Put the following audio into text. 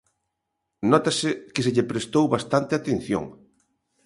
Nótase que se lle prestou bastante atención.